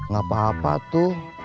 gak apa apa tuh